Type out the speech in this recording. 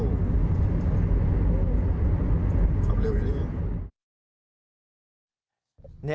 ขับเร็วดี